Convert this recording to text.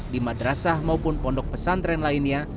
di madrasah maupun pondok pesantren lainnya